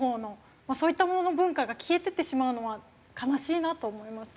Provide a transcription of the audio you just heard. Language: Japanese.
まあそういったものの文化が消えていってしまうのは悲しいなと思います。